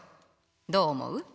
どう思う？